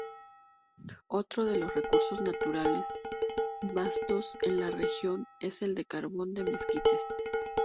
Otro de los recursos naturales bastos en la región, es el carbón de mezquites.